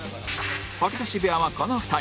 吐き出し部屋はこの２人